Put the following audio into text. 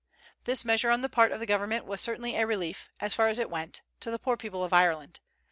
This measure on the part of the government was certainly a relief, as far as it went, to the poor people of Ireland.